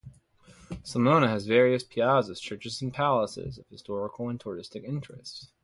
Sulmona has various piazzas, churches and palaces of historical and touristic interest.